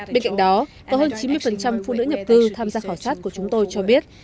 bên cạnh đó có hơn chín mươi phụ nữ nhập cư tham gia khảo sát của chúng tôi cho biết